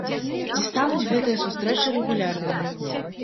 Ці стануць гэтыя сустрэчы рэгулярнымі?